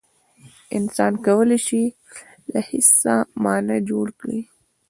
انسان کولای شي له هېڅه مانا جوړ کړي.